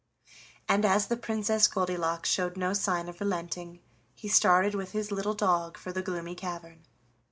And, as the Princess Goldilocks showed no sign of relenting, he started with his little dog for the Gloomy Cavern.